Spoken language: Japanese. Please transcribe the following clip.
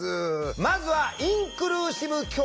まずは「インクルーシブ教育」。